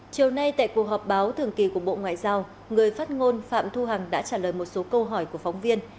chiều nay tại cuộc họp báo thường kỳ của bộ ngoại giao người phát ngôn phạm thu hằng đã trả lời một số câu hỏi của phóng viên